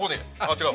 違う？